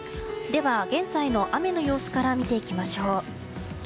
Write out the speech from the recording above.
現在の雨の様子から見ていきましょう。